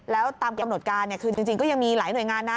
แล้วตามกำหนดการคือจริงก็ยังมีหลายหน่วยงานนะ